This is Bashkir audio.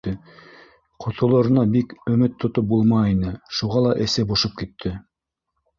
Ҡотолорона бик өмөт тотоп булмай ине, шуға ла эсе бошоп китте.